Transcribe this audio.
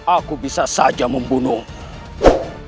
aku bisa saja membunuhmu